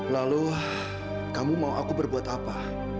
lalu kamu mau aku berbuat apa